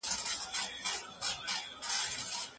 تاسو په خپلو خبرو کي استدلال کوئ.